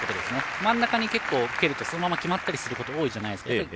真ん中に蹴るとそのまま決まったりすること多いじゃないですか。